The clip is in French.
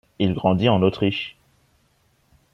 Il grandit en Autriche.